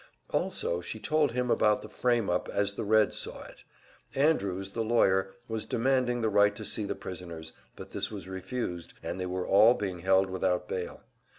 Also, she told him all about the frame up as the Reds saw it. Andrews, the lawyer, was demanding the right to see the prisoners, but this was refused, and they were all being held without bail.